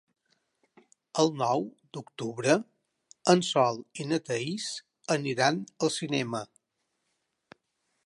El nou d'octubre en Sol i na Thaís aniran al cinema.